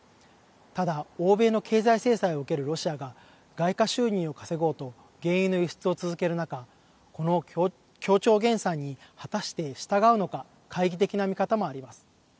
ただ、欧米の経済制裁を受けるロシアが外貨収入を稼ごうと、原油の輸出を続ける中、この協調減産に果たして従うのか、懐疑的な見方もあります。